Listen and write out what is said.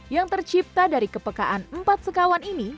yang tercipta dari kepekaan empat sekawan ini